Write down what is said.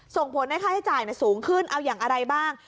ส่งผลให้ค่าใช้จ่ายสูงขึ้นเอาอย่างอะไรบ้าง